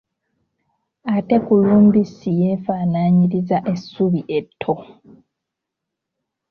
Ate kulumbisi yeefaanaanyiriza essubi etto.